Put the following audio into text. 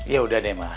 yaudah deh ma